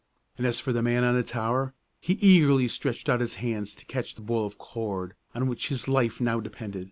And as for the man on the tower he eagerly stretched out his hands to catch the ball of cord, on which his life now depended.